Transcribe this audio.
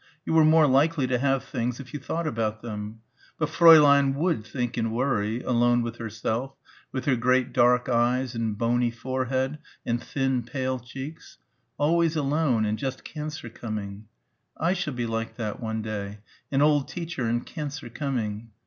You were more likely to have things if you thought about them. But Fräulein would think and worry ... alone with herself ... with her great dark eyes and bony forehead and thin pale cheeks ... always alone, and just cancer coming ... I shall be like that one day ... an old teacher and cancer coming.